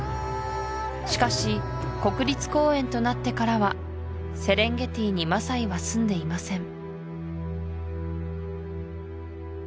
しかし国立公園となってからはセレンゲティにマサイは住んでいません